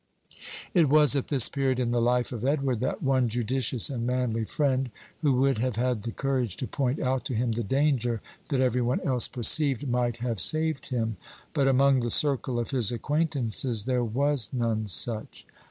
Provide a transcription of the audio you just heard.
It was at this period in the life of Edward that one judicious and manly friend, who would have had the courage to point out to him the danger that every one else perceived, might have saved him. But among the circle of his acquaintances there was none such.